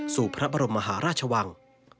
สู่พระบรมมหาราชวัง